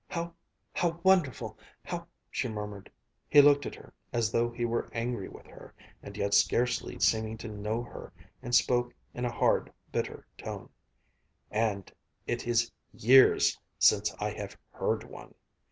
How how wonderful how " she murmured. He looked at her, as though he were angry with her, and yet scarcely seeming to know her, and spoke in a hard, bitter tone: "And it is years since I have heard one!"